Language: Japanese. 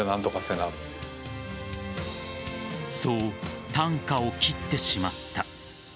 そうたんかを切ってしまった。